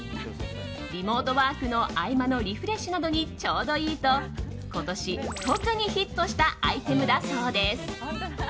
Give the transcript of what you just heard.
リモートワークの合間のリフレッシュなどにちょうどいいと今年特にヒットしたアイテムだそうです。